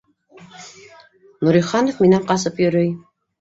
Нуриханов минән ҡасып йөрөй